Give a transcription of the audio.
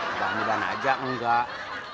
mudah mudahan aja enggak